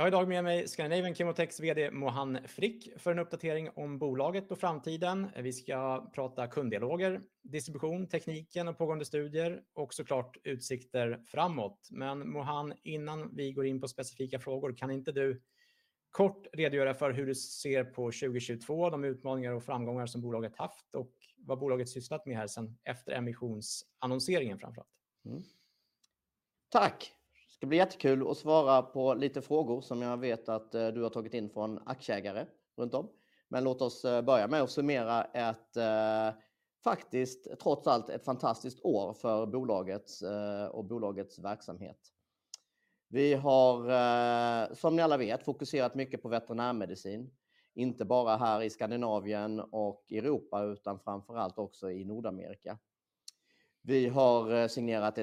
Jag har i dag med mig Scandinavian ChemoTech's VD Mohan Frick för en uppdatering om bolaget och framtiden. Vi ska prata kunddialoger, distribution, tekniken och pågående studier och så klart utsikter framåt. Mohan, innan vi går in på specifika frågor, kan inte du kort redogöra för hur du ser på 2022, de utmaningar och framgångar som bolaget haft och vad bolaget sysslat med här sedan efter emissionsannonseringen framför allt? Tack! Det ska bli jättekul att svara på lite frågor som jag vet att du har tagit in från aktieägare runt om. Låt oss börja med att summera ett, faktiskt trots allt, ett fantastiskt år för bolagets och bolagets verksamhet. Vi har, som ni alla vet, fokuserat mycket på veterinärmedicin, inte bara här i Skandinavien och Europa, utan framför allt också i Nordamerika. Vi har signerat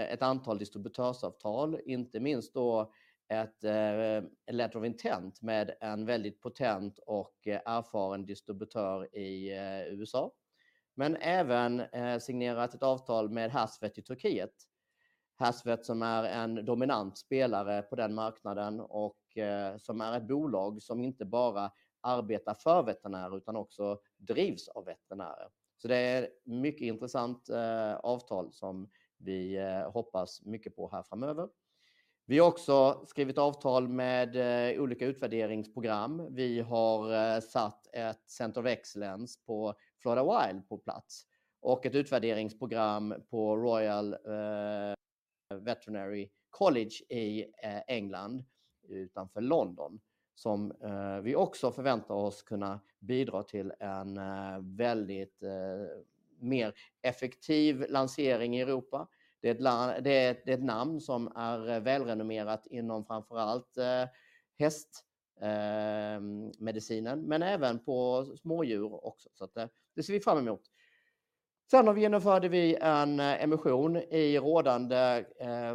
ett antal distributörsavtal, inte minst då ett letter of intent med en väldigt potent och erfaren distributör i U.S. Även signerat ett avtal med Hasvet i Turkiet. Hasvet som är en dominant spelare på den marknaden och som är ett bolag som inte bara arbetar för veterinärer utan också drivs av veterinärer. Det är ett mycket intressant avtal som vi hoppas mycket på här framöver. Vi har också skrivit avtal med olika utvärderingsprogram. Vi har satt ett Center of Excellence på FloridaWild på plats och ett utvärderingsprogram på Royal Veterinary College i England utanför London, som vi också förväntar oss kunna bidra till en väldigt mer effektiv lansering i Europa. Det är ett namn som är välrenommerat inom framför allt hästmedicin, men även på smådjur också. Det ser vi fram emot. Genomförde vi en emission i rådande,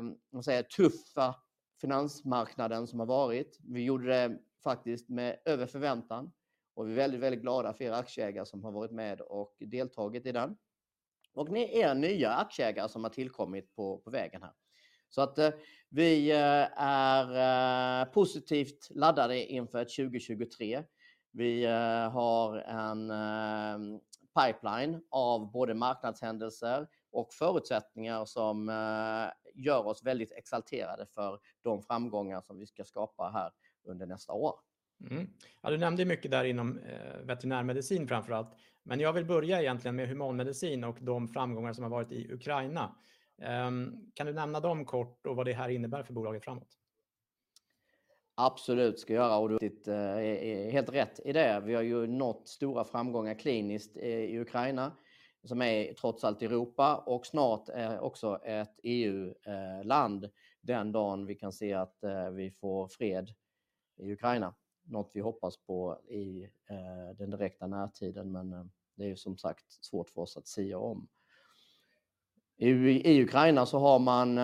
om jag säger tuffa finansmarknaden som har varit. Vi gjorde det faktiskt med över förväntan och vi är väldigt glada för era aktieägare som har varit med och deltagit i den. Ni är nya aktieägare som har tillkommit på vägen här. Vi är positivt laddade inför 2023. Vi har en pipeline av både marknadshändelser och förutsättningar som gör oss väldigt exalterade för de framgångar som vi ska skapa här under nästa år. Ja, du nämnde ju mycket där inom veterinärmedicin framför allt. Jag vill börja egentligen med humanmedicin och de framgångar som har varit i Ukraina. Kan du nämna dem kort och vad det här innebär för bolaget framåt? Absolut, ska jag göra. Du har helt rätt i det. Vi har ju nått stora framgångar kliniskt i Ukraine, som är trots allt Europa och snart också ett EU country. Den dagen vi kan se att vi får fred i Ukraine. Något vi hoppas på i den direkta närtiden, men det är som sagt svårt för oss att sia om. I Ukraine så har man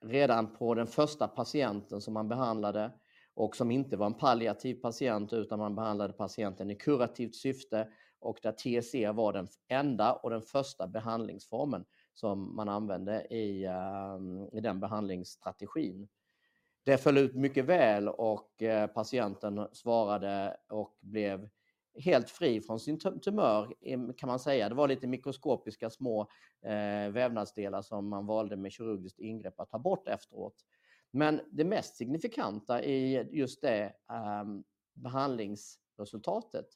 redan på den första patienten som man behandlade och som inte var en palliative patient, utan man behandlade patienten i curative syfte och där TSE var den enda och den första behandlingsformen som man använde i den behandlingsstrategin. Det föll ut mycket väl och patienten svarade och blev helt fri från sin tumor kan man säga. Det var lite mikroskopiska små vävnadsdelar som man valde med kirurgiskt ingrepp att ta bort efteråt. Det mest signifikanta i just det behandlingsresultatet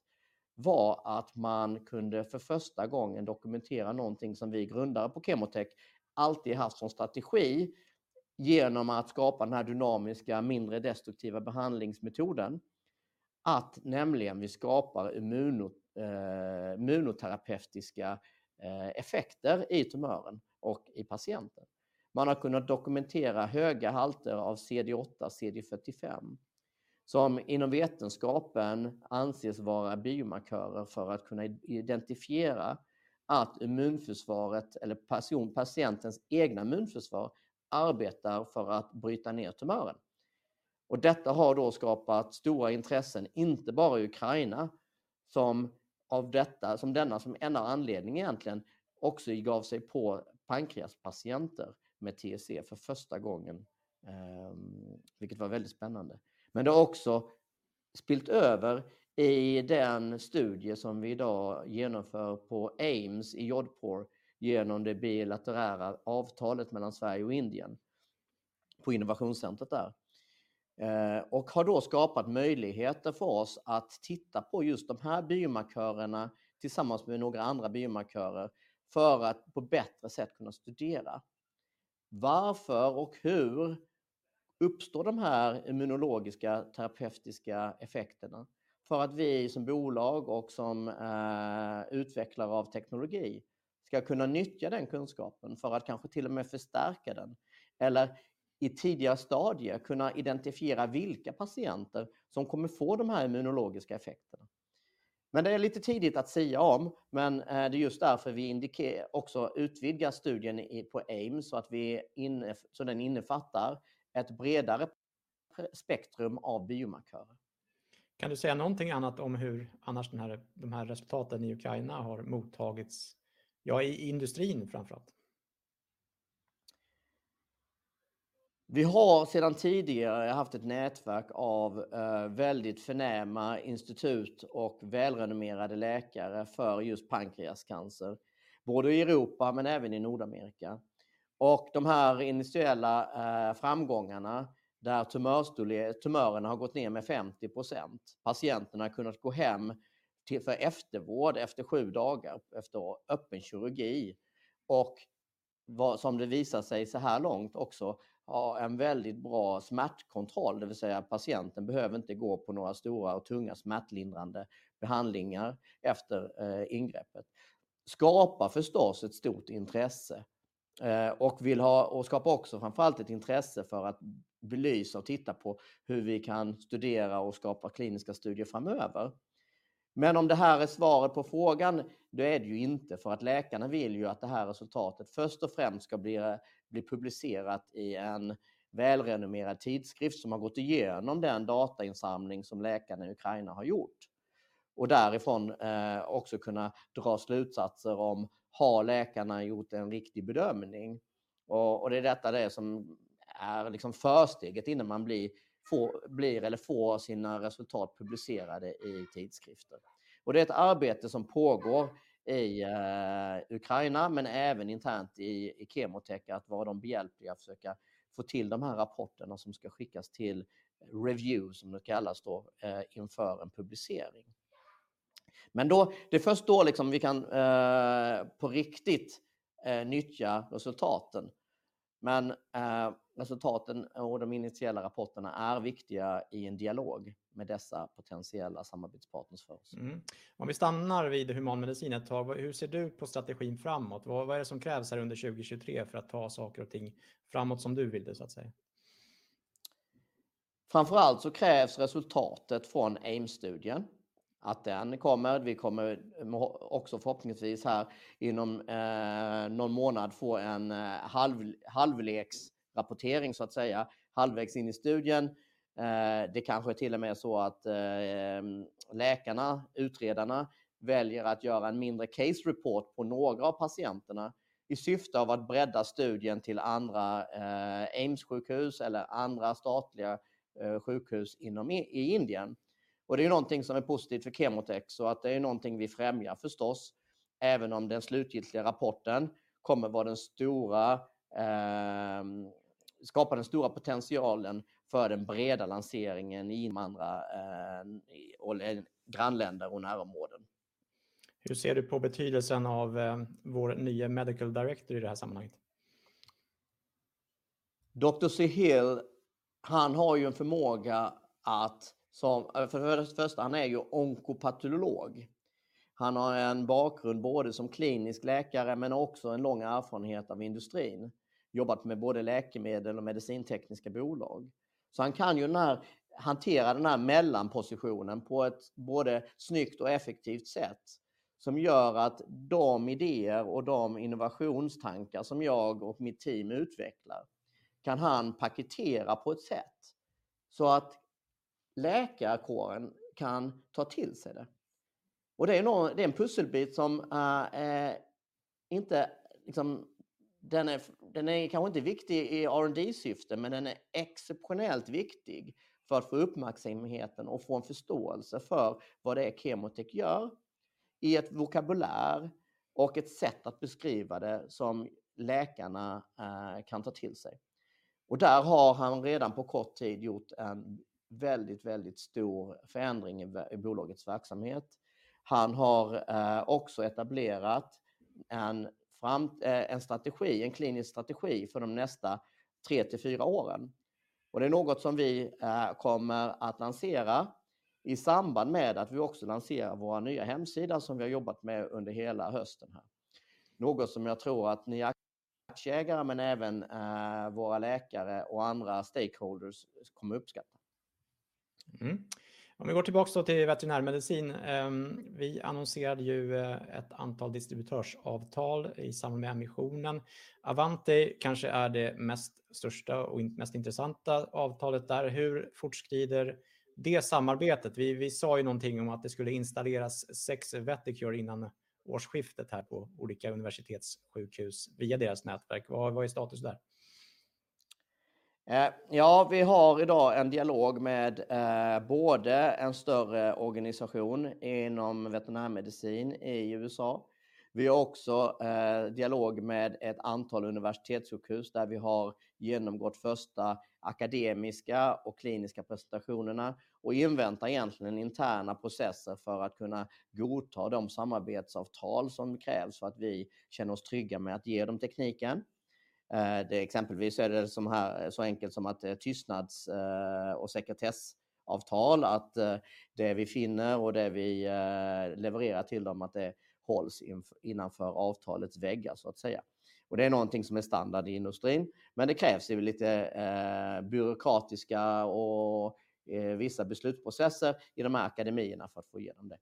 var att man kunde för första gången dokumentera någonting som vi grundare på ChemoTech alltid haft som strategi genom att skapa den här dynamiska, mindre destruktiva behandlingsmetoden. Att nämligen vi skapar immunoterapeutiska effekter i tumören och i patienten. Man har kunnat dokumentera höga halter av CD8, CD45, som inom vetenskapen anses vara biomarkörer för att kunna identifiera att immunförsvaret eller patientens egna immunförsvar arbetar för att bryta ner tumören. Detta har då skapat stora intressen, inte bara i Ukraina, som enda anledning egentligen också gav sig på pankreaspatienter med TSE för första gången, vilket var väldigt spännande. Det har också spillt över i den studie som vi i dag genomför på AIIMS i Jodhpur genom det bilaterära avtalet mellan Sverige och Indien på innovationscentret där. Har då skapat möjligheter för oss att titta på just de här biomarkörerna tillsammans med några andra biomarkörer för att på bättre sätt kunna studera varför och hur uppstår de här immunologiska terapeutiska effekterna? Vi som bolag och som utvecklare av teknologi ska kunna nyttja den kunskapen för att kanske till och med förstärka den. I tidiga stadier kunna identifiera vilka patienter som kommer få de här immunologiska effekterna. Det är lite tidigt att sia om, men det är just därför vi indikerar, också utvidgar studien på AIIMS så att den innefattar ett bredare spektrum av biomarkörer. Kan du säga någonting annat om hur annars den här, de här resultaten i Ukraina har mottagits, ja i industrin framför allt? Vi har sedan tidigare haft ett nätverk av väldigt förnäma institut och välrenommerade läkare för just pankreascancer, både i Europe men även i North America. De här initiala framgångarna där tumörerna har gått ner med 50%. Patienterna har kunnat gå hem till för eftervård efter 7 dagar efter öppen kirurgi. Som det visar sig såhär långt också ha en väldigt bra smärtkontroll, det vill säga patienten behöver inte gå på några stora och tunga smärtlindrande behandlingar efter ingreppet, skapar förstås ett stort intresse och skapar också framför allt ett intresse för att belysa och titta på hur vi kan studera och skapa kliniska studier framöver. Om det här är svaret på frågan, det är det ju inte, för att läkarna vill ju att det här resultatet först och främst ska bli publicerat i en välrenommerad tidskrift som har gått igenom den datainsamling som läkarna i Ukraine har gjort. Därifrån också kunna dra slutsatser om har läkarna gjort en riktig bedömning? Det är detta det som är liksom försteget innan man får sina resultat publicerade i tidskrifter. Det är ett arbete som pågår i Ukraine, men även internt i ChemoTech att vara dem behjälplig att försöka få till de här rapporterna som ska skickas till review, som det kallas då, inför en publicering. Då, det är först då liksom vi kan på riktigt nyttja resultaten. Resultaten och de initiala rapporterna är viktiga i en dialog med dessa potentiella samarbetspartners för oss. Om vi stannar vid human medicine ett tag, hur ser du på strategin framåt? Vad är det som krävs här under 2023 för att ta saker och ting framåt som du vill det så att säga? Framför allt krävs resultatet från AIIMS-studien. Den kommer. Vi kommer också förhoppningsvis här inom någon månad få en halvleksrapportering, så att säga, halvvägs in i studien. Det kanske är till och med så att läkarna, utredarna väljer att göra en mindre case report på några av patienterna i syfte av att bredda studien till andra AIIMS-sjukhus eller andra statliga sjukhus inom i Indien. Det är någonting som är positivt för ChemoTech, så att det är någonting vi främjar förstås, även om den slutgiltiga rapporten kommer vara den stora, skapa den stora potentialen för den breda lanseringen i de andra, och grannländer och närområden. Hur ser du på betydelsen av vår nye Medical Director i det här sammanhanget? Dr. Suhail, han har en förmåga att för det första, han är onkopatolog. Han har en bakgrund både som klinisk läkare men också en lång erfarenhet av industrin. Jobbat med både läkemedel och medicintekniska bolag. Han kan hantera den här mellanpositionen på ett både snyggt och effektivt sätt som gör att de idéer och de innovationstankar som jag och mitt team utvecklar kan han paketera på ett sätt så att läkarkåren kan ta till sig det. Det är nog, det är en pusselbit som är inte den är kanske inte viktig i R&D-syfte, men den är exceptionellt viktig för att få uppmärksamheten och få en förståelse för vad det är ChemoTech gör i ett vokabulär och ett sätt att beskriva det som läkarna kan ta till sig. Där har han redan på kort tid gjort en väldigt stor förändring i bolagets verksamhet. Han har också etablerat en strategi, en klinisk strategi för de nästa 3 till 4 åren. Det är något som vi kommer att lansera i samband med att vi också lanserar vår nya hemsida som vi har jobbat med under hela hösten här. Något som jag tror att ni aktieägare men även våra läkare och andra stakeholders kommer uppskatta. Om vi går tillbaka då till veterinärmedicin. Vi annonserade ju ett antal distributörsavtal i samband med emissionen. Avante kanske är det mest största och mest intressanta avtalet där. Hur fortskrider det samarbetet? Vi sa ju någonting om att det skulle installeras 6 vetIQure innan årsskiftet här på olika universitetssjukhus via deras nätverk. Vad är status där? Vi har i dag en dialog med både en större organisation inom veterinärmedicin i USA. Vi har också dialog med ett antal universitetssjukhus där vi har genomgått första akademiska och kliniska presentationerna och inväntar egentligen interna processer för att kunna godta de samarbetsavtal som krävs för att vi känner oss trygga med att ge dem tekniken. Det exempelvis är det som här så enkelt som att tystnads- och sekretessavtal, att det vi finner och det vi levererar till dem, att det hålls innanför avtalets väggar, så att säga. Det är någonting som är standard i industrin, men det krävs ju lite byråkratiska och vissa beslutsprocesser i de här akademierna för att få igenom det.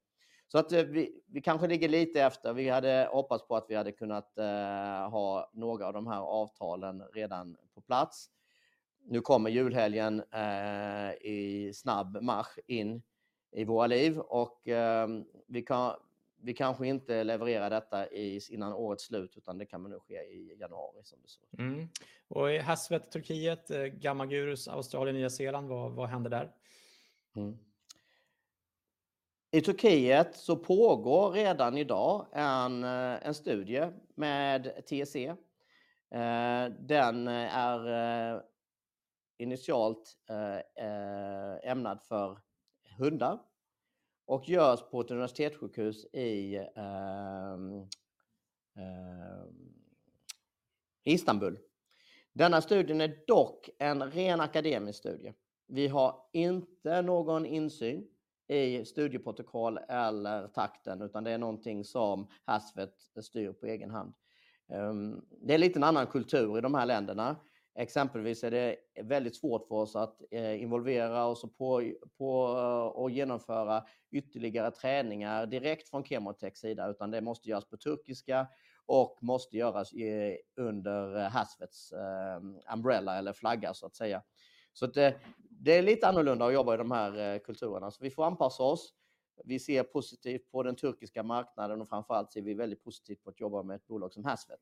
Vi kanske ligger lite efter. Vi hade hoppats på att vi hade kunnat ha några av de här avtalen redan på plats. Nu kommer julhelgen i snabb marsch in i våra liv och vi kanske inte levererar detta i, innan årets slut, utan det kan nog ske i januari som du säger. In Hasvet Turkey, Gamma Gurus Australia, New Zealand, what is happening there? I Turkiet så pågår redan i dag en studie med TSE. Den är initialt ämnad för hundar och görs på ett universitetssjukhus i Istanbul. Denna studien är dock en ren akademisk studie. Vi har inte någon insyn i studieprotokoll eller takten, utan det är någonting som Hasvet styr på egen hand. Det är lite annan kultur i de här länderna. Exempelvis är det väldigt svårt för oss att involvera oss och genomföra ytterligare träningar direkt från ChemoTech's sida, utan det måste göras på turkiska och måste göras under Hasvet's umbrella eller flagga så att säga. Så att det är lite annorlunda att jobba i de här kulturerna. Så vi får anpassa oss. Vi ser positivt på den turkiska marknaden och framför allt ser vi väldigt positivt på att jobba med ett bolag som Hasvet.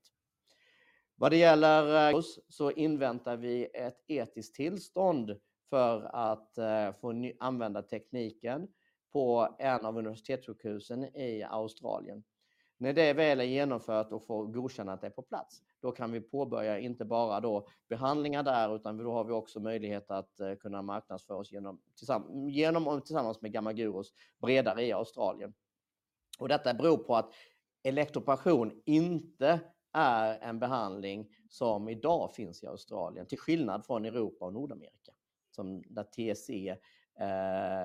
Vad det gäller oss inväntar vi ett etiskt tillstånd för att få använda tekniken på en av universitetssjukhusen i Australia. När det väl är genomfört och får godkännandet på plats, kan vi påbörja inte bara då behandlingar där, utan då har vi också möjlighet att kunna marknadsföra oss genom, tillsammans, genom och tillsammans med Gamma Gurus bredare i Australia. Detta beror på att elektroporation inte är en behandling som i dag finns i Australia, till skillnad från Europe and North America. Som där TSE,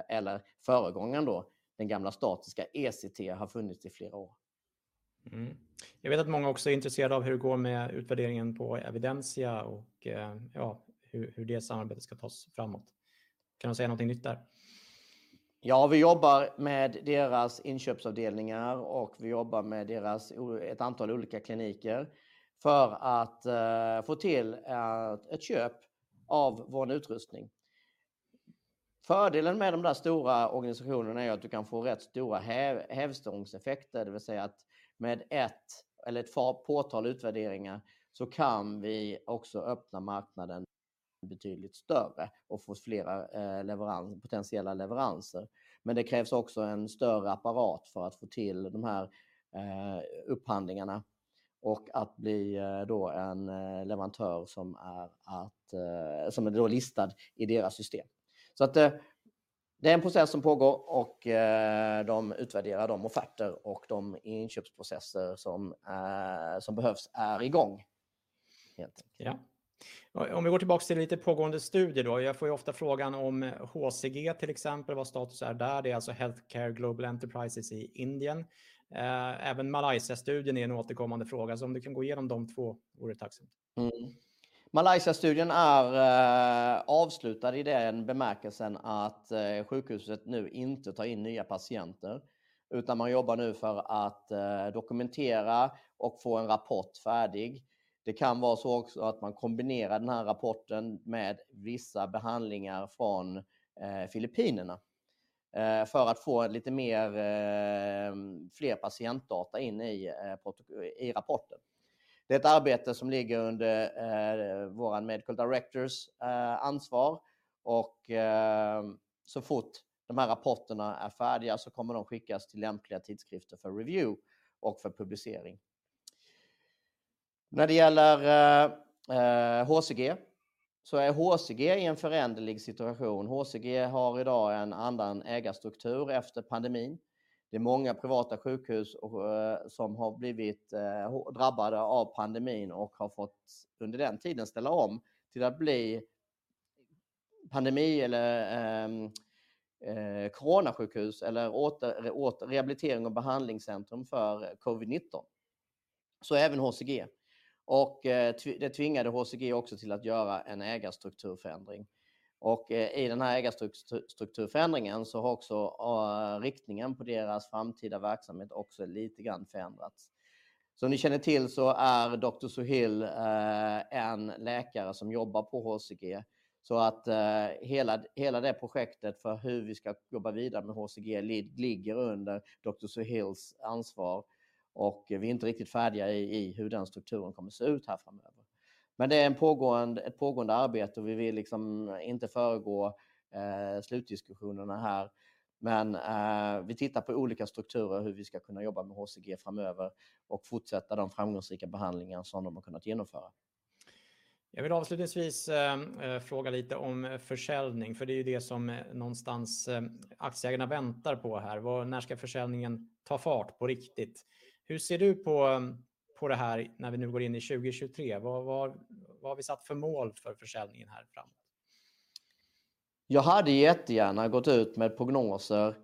eller föregångaren då, den gamla statiska ECT har funnits i flera år. Jag vet att många också är intresserade av hur det går med utvärderingen på Evidensia och, ja, hur det samarbetet ska tas framåt. Kan du säga någonting nytt där? Vi jobbar med deras inköpsavdelningar och vi jobbar med deras ett antal olika kliniker för att få till ett köp av vår utrustning. Fördelen med de där stora organisationen är att du kan få rätt stora hävstångseffekter. Det vill säga att med ett eller ett par, påtal utvärderingar så kan vi också öppna marknaden betydligt större och få flera potentiella leveranser. Det krävs också en större apparat för att få till de här upphandlingarna och att bli då en leverantör som är då listad i deras system. Det är en process som pågår och de utvärderar de offerter och de inköpsprocesser som behövs är i gång. Vi går tillbaka till lite pågående studier då. Jag får ju ofta frågan om HCG till exempel, vad status är där. Det är alltså HealthCare Global Enterprises i India. Även Malaysia study är en återkommande fråga. Du kan gå igenom de två vore det tacksamt. Malaysia-studien är avslutad i den bemärkelsen att sjukhuset nu inte tar in nya patienter, utan man jobbar nu för att dokumentera och få en rapport färdig. Det kan vara så också att man kombinerar den här rapporten med vissa behandlingar från Filippinerna, för att få lite mer, fler patientdata in i rapporten. Det är ett arbete som ligger under våran Medical Director's ansvar och så fort de här rapporterna är färdiga så kommer de skickas till lämpliga tidskrifter för review och för publicering. När det gäller HCG så är HCG i en föränderlig situation. HCG har i dag en annan ägarstruktur efter pandemin. Det är många privata sjukhus som har blivit drabbade av pandemin och har fått under den tiden ställa om till att bli pandemi eller coronasjukhus eller rehabiliterings- och behandlingscentrum för COVID-19. Även HCG. Det tvingade HCG också till att göra en ägarstrukturförändring. I den här ägarstrukturförändringen har också riktningen på deras framtida verksamhet också lite grann förändrats. Som ni känner till är Dr. Suhail en läkare som jobbar på HCG. Att hela det projektet för hur vi ska jobba vidare med HCG ligger under Dr. Suhail's ansvar och vi är inte riktigt färdiga i hur den strukturen kommer se ut här framöver. Det är ett pågående arbete. Vi vill liksom inte föregå slutdiskussionerna här. Vi tittar på olika strukturer, hur vi ska kunna jobba med HCG framöver och fortsätta de framgångsrika behandlingar som de har kunnat genomföra. Jag vill avslutningsvis fråga lite om försäljning, för det är ju det som någonstans aktieägarna väntar på här. När ska försäljningen ta fart på riktigt? Hur ser du på det här när vi nu går in i 2023? Vad har vi satt för mål för försäljningen här framåt? Jag hade jättegärna gått ut med prognoser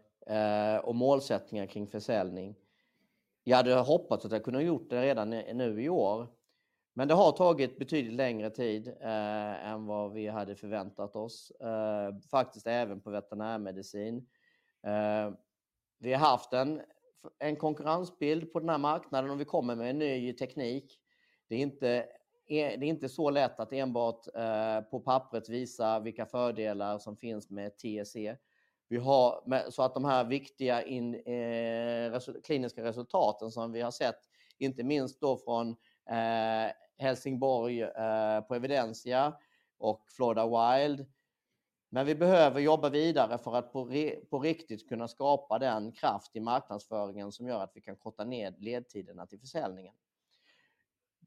och målsättningar kring försäljning. Jag hade hoppats att jag kunde ha gjort det redan nu i år. Det har tagit betydligt längre tid än vad vi hade förväntat oss. Faktiskt även på veterinärmedicin. Vi har haft en konkurrensbild på den här marknaden och vi kommer med en ny teknik. Det är inte så lätt att enbart på pappret visa vilka fördelar som finns med TSE. Vi har så att de här viktiga in kliniska resultaten som vi har sett, inte minst då från Helsingborg på Evidensia och FloridaWild. Vi behöver jobba vidare för att på riktigt kunna skapa den kraft i marknadsföringen som gör att vi kan korta ned ledtiderna till försäljningen.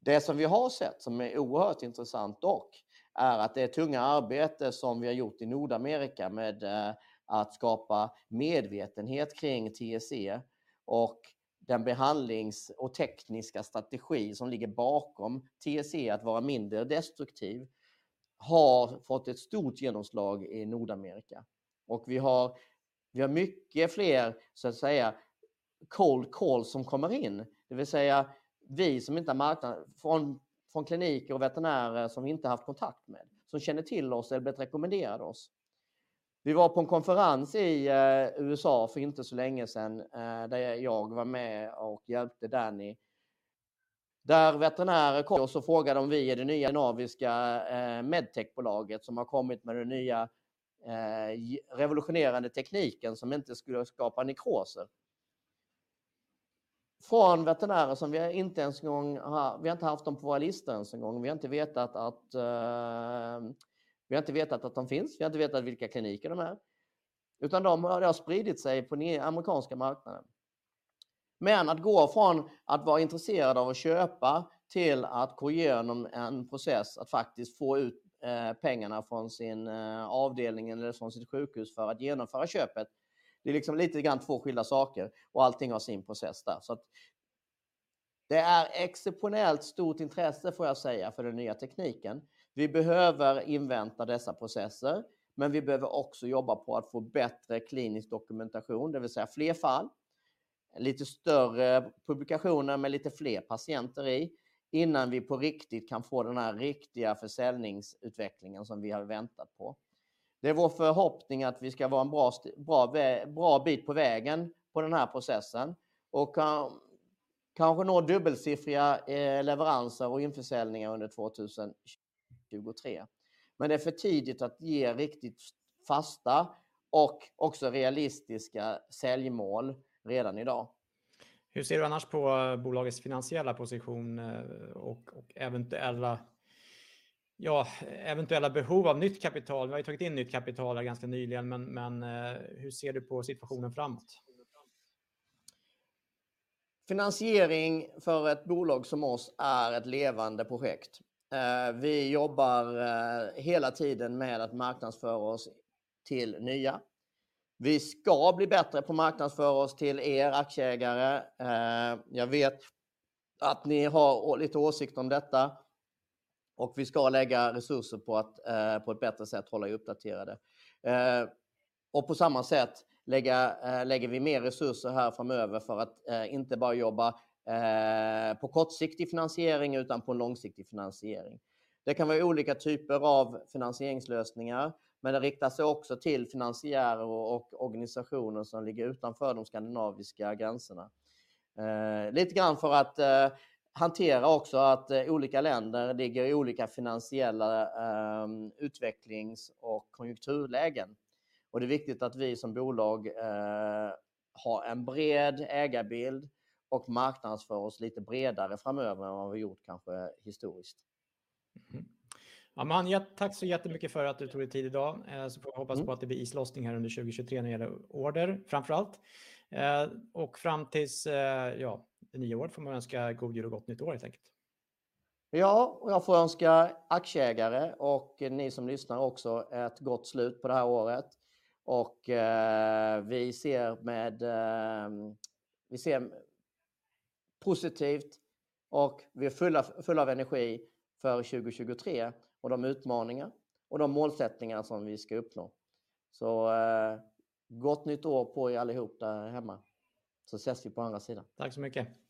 Det som vi har sett som är oerhört intressant dock är att det tunga arbete som vi har gjort i North America med att skapa medvetenhet kring TSE och den behandlings- och tekniska strategi som ligger bakom TSE att vara mindre destruktiv, har fått ett stort genomslag i North America. Vi har mycket fler så att säga cold call som kommer in. Det vill säga vi som inte har från kliniker och veterinärer som vi inte haft kontakt med, som känner till oss eller blivit rekommenderade oss. Vi var på en konferens i USA för inte så länge sedan där jag var med och hjälpte Danny. Där veterinärer kom och så frågade om vi är det nya nordiska medtechbolaget som har kommit med den nya revolutionerande tekniken som inte skulle skapa nekroser. Från veterinärer som vi inte ens en gång har, vi har inte haft dem på våra listor ens en gång. Vi har inte vetat att de finns. Vi har inte vetat vilka kliniker de är. Utan det har spridit sig på den amerikanska marknaden. Att gå från att vara intresserad av att köpa till att gå igenom en process att faktiskt få ut pengarna från sin avdelning eller från sitt sjukhus för att genomföra köpet. Det är liksom lite grann två skilda saker och allting har sin process där. Det är exceptionellt stort intresse får jag säga för den nya tekniken. Vi behöver invänta dessa processer, men vi behöver också jobba på att få bättre klinisk dokumentation, det vill säga fler fall, lite större publikationer med lite fler patienter i innan vi på riktigt kan få den här riktiga försäljningsutvecklingen som vi har väntat på. Det är vår förhoppning att vi ska vara en bra bit på vägen på den här processen och kanske nå dubbelsiffriga leveranser och införsäljningar under 2023. Men det är för tidigt att ge riktigt fasta och också realistiska säljmål redan i dag. Hur ser du annars på bolagets finansiella position och eventuella behov av nytt kapital? Vi har tagit in nytt kapital ganska nyligen, men hur ser du på situationen framåt? Finansiering för ett bolag som oss är ett levande projekt. vi jobbar hela tiden med att marknadsföra oss till nya. Vi ska bli bättre på att marknadsföra oss till er aktieägare. jag vet att ni har lite åsikt om detta och vi ska lägga resurser på att på ett bättre sätt hålla er uppdaterade. och på samma sätt lägger vi mer resurser här framöver för att inte bara jobba på kortsiktig finansiering utan på långsiktig finansiering. Det kan vara olika typer av finansieringslösningar, men det riktar sig också till finansiärer och organisationer som ligger utanför de skandinaviska gränserna. lite grann för att hantera också att olika länder ligger i olika finansiella utvecklings- och konjunkturlägen. Det är viktigt att vi som bolag har en bred ägarbild och marknadsför oss lite bredare framöver än vad vi har gjort kanske historiskt. Aman, tack så jättemycket för att du tog dig tid i dag. Får vi hoppas på att det blir islossning här under 2023 när det gäller order framför allt. Fram tills ja det nya år får man önska god jul och gott nytt år helt enkelt. Jag får önska aktieägare och ni som lyssnar också ett gott slut på det här året och vi ser positivt och vi är full av energi för 2023 och de utmaningar och de målsättningar som vi ska uppnå. Gott nytt år på er allihop där hemma så ses vi på andra sidan. Tack så mycket.